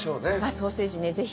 ソーセージねぜひ。